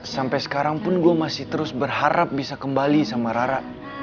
sampai sekarang pun gue masih terus berharap bisa kembali sama rara